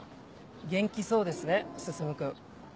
元気そうですね進君。